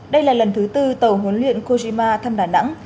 đây là lần thứ tư tàu huấn luyện kojima thăm đà nẵng